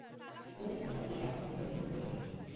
দুটো থেকে তিনটা এই এক ঘন্টা আমি প্রতি দিন দুপুরে ঘুমিয়ে থাকি।